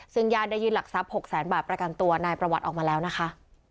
ซึ่งญาติได้ยื่นหลักทรัพย์๖แสนบาทประกันตัวนายประวัติออกมาแล้วนะคะ